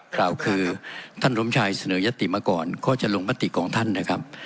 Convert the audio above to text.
ข่าวคือท่านสมชายเสนอยติมาก่อนก็จะลงมติของท่านนะครับ